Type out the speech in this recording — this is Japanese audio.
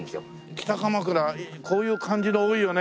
北鎌倉こういう感じの多いよね。